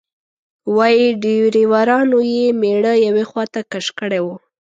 وایي ډریورانو یې میړه یوې خواته کش کړی و.